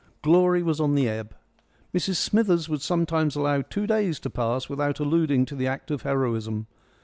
Glory was on the ebb. Mrs Smithers would sometimes allow two days to pass without alluding to the act of heroism.